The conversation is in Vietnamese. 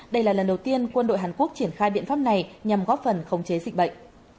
đây là lần đầu tiên quân đội hàn quốc triển khai biện pháp này nhằm góp phần khống chế dịch bệnh